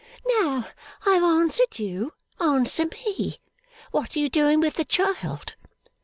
Now I have answered you, answer me. What are you doing with the child?